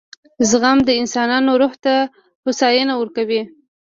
• زغم د انسان روح ته هوساینه ورکوي.